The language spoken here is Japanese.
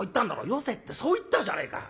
よせってそう言ったじゃねえか。